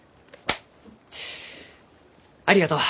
ありがとう。